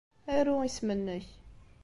Aru isem-nnek.